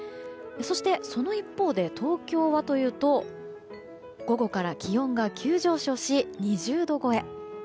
そして、その一方で東京はというと午後から気温が急上昇し２０度超え。